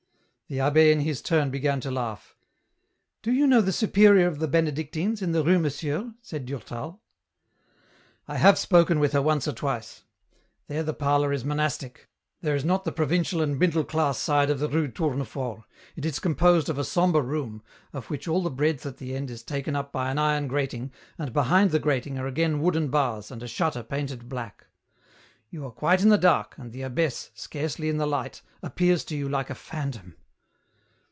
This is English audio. The abbd in his turn began to laugh. " Do you know the Superior of the Benedictines, in the Rue Monsieur ?" said Durtal. " I have spoken with her once or twice ; there the parlour is monastic, there is not the provincial and middle class side of the Rue Tournefort, it is composed of a sombre room, of which all the breadth at the end is taken up by an iron grating, and behind the grating are again wooden bars, and a shutter painted black. You are quite in the dark, and the abbess, scarcely in the light, appears to you like a phantom."